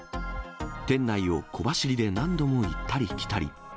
店内を小走りで何度も行ったり来たり。